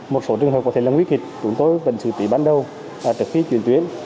một số trường hợp có thể là nguy kịch chúng tôi vẫn xử trí ban đầu trước khi chuyển tuyến